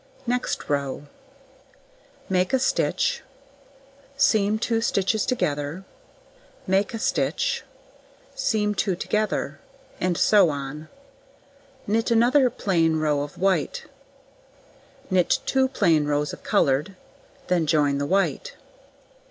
Next row: Make a stitch, seam 2 stitches together, make a stitch, seam 2 together, and so on; knit another plain row of white, knit 2 plain rows of coloured, then join the white.